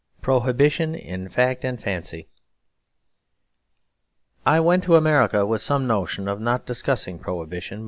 Prohibition in Fact and Fancy I went to America with some notion of not discussing Prohibition.